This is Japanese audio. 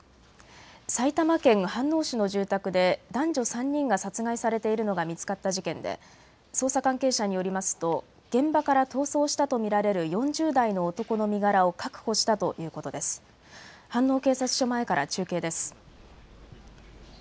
埼玉県飯能市の住宅で男女３人が殺害されているのが見つかった事件で捜査関係者によりますと現場から逃走したとみられる４０代の男の身柄を確保したということです。